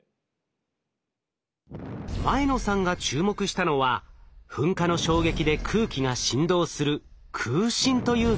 前野さんが注目したのは噴火の衝撃で空気が振動する空振という現象でした。